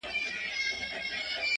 په مجلس کي ږغېدی لکه بلبله!!